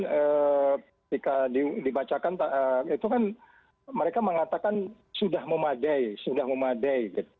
ketika dibacakan itu kan mereka mengatakan sudah memadai sudah memadai